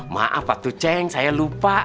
maaf waktu ceng saya lupa